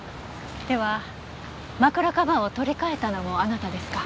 では枕カバーを取り替えたのもあなたですか？